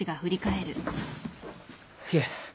いえ。